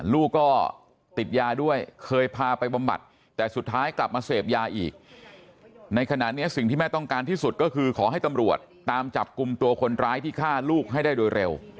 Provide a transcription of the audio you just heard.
ลูกก็ติดยาด้วยเคยพาไปบำบัดแต่สุดท้ายกลับมาเสพยาอีกในขณะนี้สิ่งที่แม่ต้องการที่สุดก็คือขอให้ตำรวจตามจับกลุ่มตัวคนร้ายที่ฆ่าลูกให้ได้โดยเร็ว